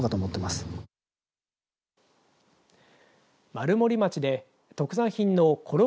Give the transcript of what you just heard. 丸森町で特産品のころ